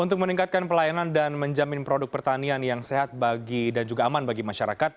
untuk meningkatkan pelayanan dan menjamin produk pertanian yang sehat dan juga aman bagi masyarakat